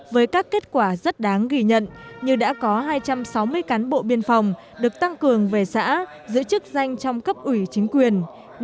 với các kết quả rất đáng ghi nhận như đã có hai trăm sáu mươi cán bộ biên phòng được tăng cường về xã giữ chức danh trong cấp ủy chính quyền